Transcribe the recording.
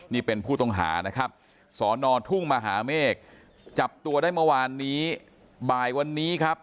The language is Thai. นี่เป็นผู้ต้องหานะครับสอนอทุ่งมหาเมฆจับตัวได้เมื่อวานนี้บ่ายวันนี้ครับ